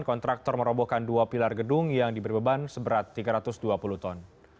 kontraktor merobohkan dua pilar gedung yang diberi beban seberat tiga ratus dua puluh ton